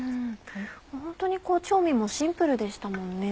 ホントに調味もシンプルでしたもんね。